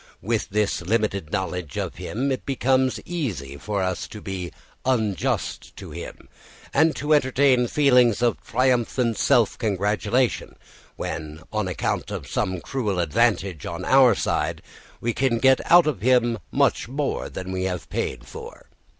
With this limited knowledge of him it becomes easy for us to be unjust to him and to entertain feelings of triumphant self congratulation when, on account of some cruel advantage on our side, we can get out of him much more than we have paid for.